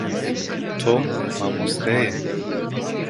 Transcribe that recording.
Tom mamoste ye.